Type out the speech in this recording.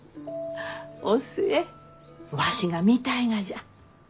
お寿恵わしが見たいがじゃ。